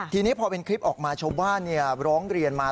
ทีนี้พอเป็นคลิปออกมาชาวบ้านร้องเรียนมา